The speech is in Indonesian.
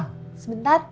maaf sebentar ada telepon